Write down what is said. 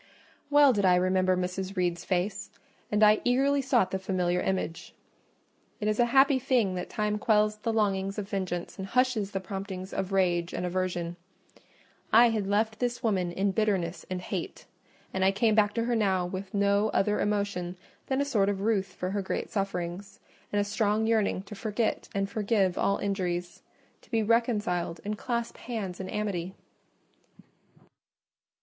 Well did I remember Mrs. Reed's face, and I eagerly sought the familiar image. It is a happy thing that time quells the longings of vengeance and hushes the promptings of rage and aversion. I had left this woman in bitterness and hate, and I came back to her now with no other emotion than a sort of ruth for her great sufferings, and a strong yearning to forget and forgive all injuries—to be reconciled and clasp hands in amity.